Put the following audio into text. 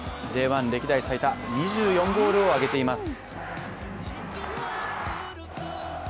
Ｊ１歴代最多２４ゴールを挙げています。